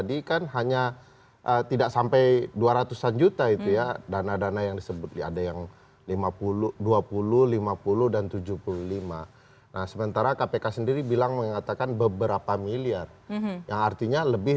dan tidak mudah menyerah pantang menyerah